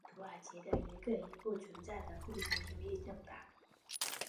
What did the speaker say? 共产党是土耳其的一个已不存在的共产主义政党。